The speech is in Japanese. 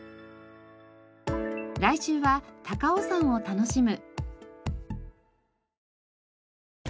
来週は「高尾山を楽しむ」。